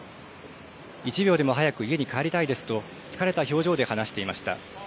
１秒でも早く家に帰りたいですと、疲れた表情で話していました。